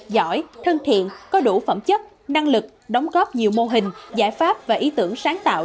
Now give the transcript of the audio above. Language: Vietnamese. giỏi thân thiện có đủ phẩm chất năng lực đóng góp nhiều mô hình giải pháp và ý tưởng sáng tạo